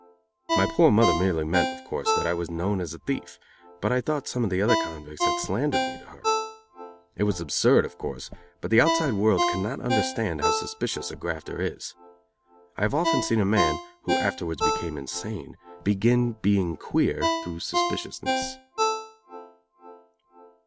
My poor mother merely meant, of course, that I was known as a thief, but I thought some of the other convicts had slandered me to her. It was absurd, of course, but the outside world cannot understand how suspicious a grafter is. I have often seen a man, who afterwards became insane, begin being queer through suspiciousness.